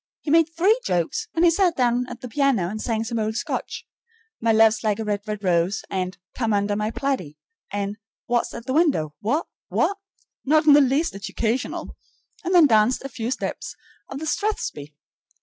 He made three jokes, and he sat down at the piano and sang some old Scotch, "My luve's like a red, red rose," and "Come under my plaidie," and "Wha's at the window? Wha? Wha?" not in the least educational, and then danced a few steps of the strathspey!